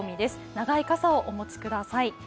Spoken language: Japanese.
長い傘をお持ちください。